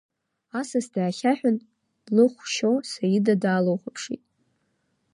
Асас даахьаҳәын, лыхә шьо Саида даалыхәаԥшит.